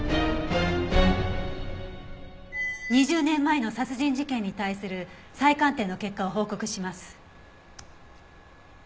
２０年前の殺人事件に対する再鑑定の結果を報告します。